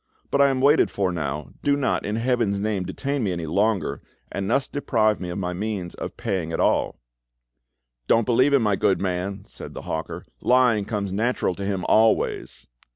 But I am waited for now, do not in Heaven's name detain me longer, and thus deprive me of the means of paying at all." "Don't believe him, my good man," said the hawker; "lying comes natural to him always."